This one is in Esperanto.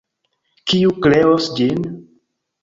Kiu kreos ĝin?